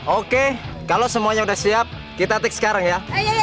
oke kalau semuanya udah siap kita teks sekarang ya